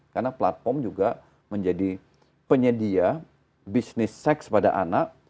karena platform juga menjadi penyedia bisnis seks pada anak